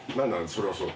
それはそう。